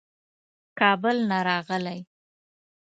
کابل نه راغلی.